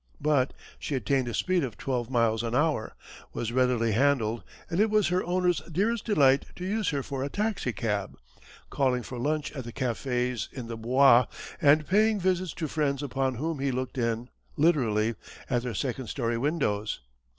But she attained a speed of twelve miles an hour, was readily handled, and it was her owner's dearest delight to use her for a taxicab, calling for lunch at the cafés in the Bois, and paying visits to friends upon whom he looked in, literally, at their second story windows.